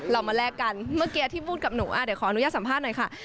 เรามาแลกกันเมื่อกี้ที่พูดกับหนูเดี๋ยวขออนุญาตสัมภาษณ์หน่อยค่ะ